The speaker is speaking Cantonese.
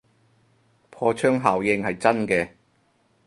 破窗效應係真嘅